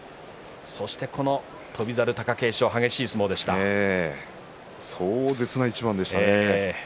そして翔猿と貴景勝壮絶な一番でしたね。